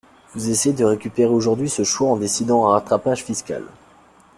Vous essayez de récupérer aujourd’hui ce choix en décidant un rattrapage fiscal.